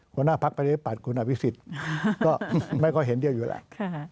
ครับน้าภาคประชานิปัตย์ครับพิศิษฐ์ก็ไม่ค่อยเห็นเรียนอยู่แล้ว